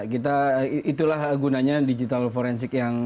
kita itulah gunanya digital forensik yang apa ya